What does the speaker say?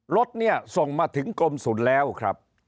รถเนี่ยส่งมาถึงกรมศูนย์แล้วครับ